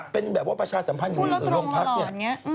เป็นแบบว่าประชาสัมพันธ์อยู่โรงพักเนี่ย